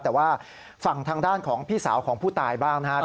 แต่ว่าฝั่งทางด้านของพี่สาวของผู้ตายบ้างนะครับ